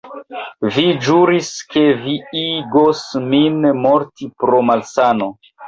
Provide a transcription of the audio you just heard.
Vi ĵuris, ke vi igos min morti pro malsano!